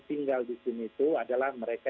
tinggal di sini itu adalah mereka